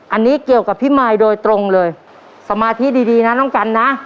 อันนี้เกี่ยวกับพี่มายโดยตรงเลยสมาธิดีดีนะน้องกันนะ